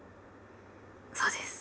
そうです。